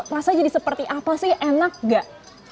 rasanya jadi seperti apa sih enak nggak